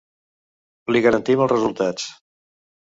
Li garantim els resultats.